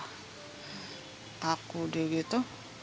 kaku dia gitu